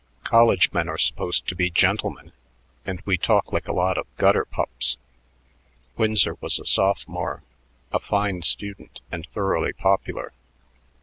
College men are supposed to be gentlemen, and we talk like a lot of gutter pups." Winsor was a sophomore, a fine student, and thoroughly popular.